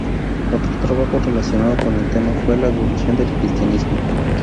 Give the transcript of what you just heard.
Otro trabajo relacionado con el tema fue "La Evolución del Cristianismo".